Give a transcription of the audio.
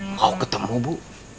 mau ketemu bu